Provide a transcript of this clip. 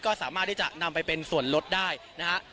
ก็สามารถที่จะนำไปเป็นส่วนลดได้นะฮะ